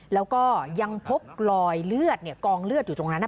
แล้วก็ยังพบรอยเลือดกองเลือดอยู่ตรงนั้น